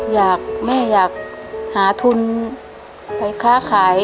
อยากแม่อยากหาทุนไปค้าขาย